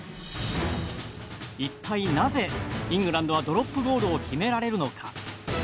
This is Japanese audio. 一体なぜ、イングランドはドロップゴールを決められるのか。